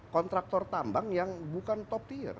kontraktor tambang yang bukan top peer